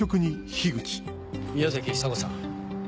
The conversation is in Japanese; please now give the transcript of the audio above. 宮崎久子さん。